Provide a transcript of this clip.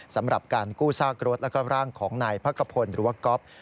สำหรับการกู้ซากรถแล้วก็ร่างของนายพักขพลหรือว่าก๊อฟ